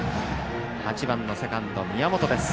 ８番のセカンド、宮本です。